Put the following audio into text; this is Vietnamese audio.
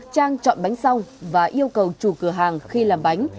trang chọn bánh xong và yêu cầu chủ cửa hàng khi làm bánh